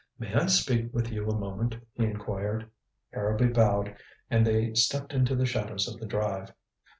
"May I speak with you a moment?" he inquired. Harrowby bowed, and they stepped into the shadows of the drive.